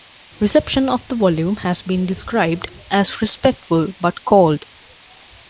Reception of the volume has been described as respectful but "cold".